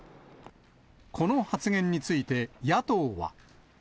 この発言について、野党は。